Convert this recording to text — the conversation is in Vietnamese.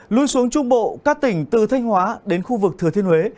lui xuống trung bộ các tỉnh từ thanh hóa đến khu vực thừa thiên huế